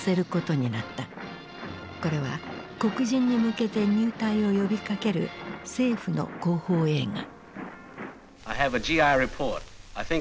これは黒人に向けて入隊を呼びかける政府の広報映画。